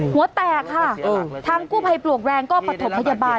หัวแตกค่ะทางกู้ภัยปลวกแรงก็ประถมพยาบาล